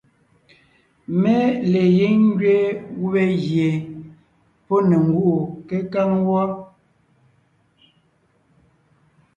Mé le gíŋ ngẅeen gubé gie pɔ́ ne ngúʼu kékáŋ wɔ́.